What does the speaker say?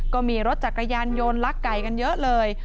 ก็มีรถจักรยานยนต์ลักไก่กันเยอะเลย